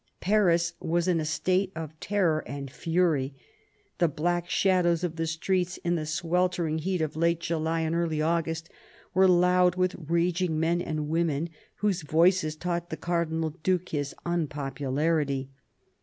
Paris was in a state of terror and fury. The black shadows of the streets, in the sweltering heat of late July and early August, were loud with raging men and women, whose voices taught the Cardinal Due his unpopularity.